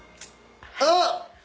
あっ！